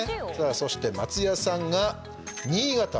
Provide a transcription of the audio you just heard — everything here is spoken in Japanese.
そして松也さんが新潟。